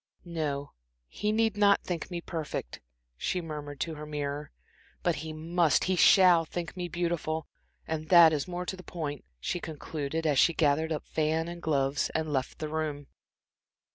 "No, he need not think me perfect," she murmured to her mirror, "but he must he shall think me beautiful. And that is more to the point," she concluded, as she gathered up fan and gloves and left the room.